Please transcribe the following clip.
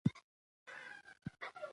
د ژبې خدمت لوست دی.